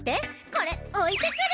これ置いてくる！